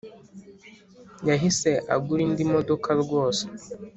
Yahise agura indi modoka rwose